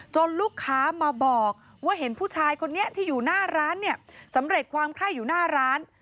ลูกค้ามาบอกว่าเห็นผู้ชายคนนี้ที่อยู่หน้าร้านเนี่ยสำเร็จความไข้อยู่หน้าร้าน